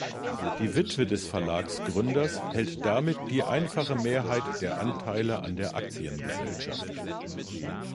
Die Witwe des Verlagsgründers hält damit die einfache Mehrheit der Anteile an der Aktiengesellschaft.